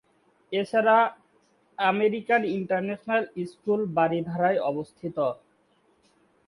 এছাড়া American International School বারিধারায় অবস্থিত।